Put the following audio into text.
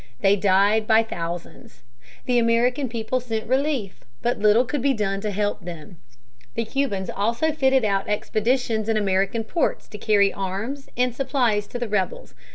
They died by thousands. The American people sent relief, but little could be done to help them. The Cubans also fitted out expeditions in American ports to carry arms and supplies to the rebels.